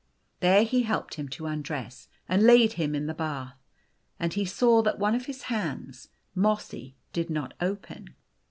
There he helped him to undress, and laid him in the bath. And he saw that one of his hands Mossy did not open.